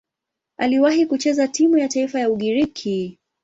Aliwahi kucheza timu ya taifa ya Ugiriki.